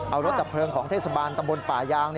เอารถดับเพลิงของเทศบาลตำบลป่ายาง